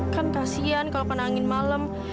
kan kasian kalau kena angin malam